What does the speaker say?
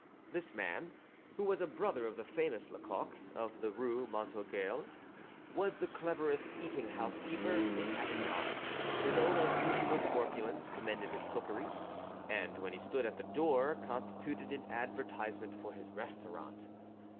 This man, who was a brother of the famous Lecoq of the rue Montorgueil, was the cleverest eating house keeper in Avignon; his own unusual corpulence commended his cookery, and, when he stood at the door, constituted an advertisement for his restaurant.